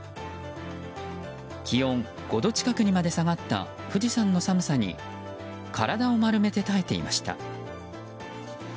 気温５度近くにまで下がった富士山の寒さに体を丸めて耐えていました。